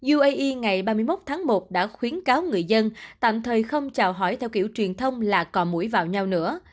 uae ngày ba mươi một tháng một đã khuyến cáo người dân tạm thời không chào hỏi theo kiểu truyền thông là cò mũi vào nhau nữa